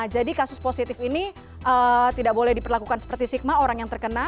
jadi kasus positif ini tidak boleh diperlakukan seperti stigma orang yang terkena